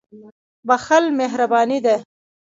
• بخښل مهرباني ده.